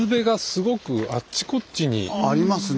ありますね。